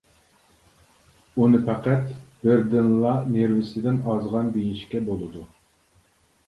ئۇنى پەقەت بىردىنلا نېرۋىسىدىن ئازغان دېيىشكە بولىدۇ.